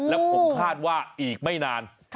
แล้วผมคาดว่าอีกไม่นาน